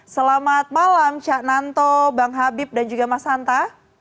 selamat malam cak nanto bang habib dan juga mas hanta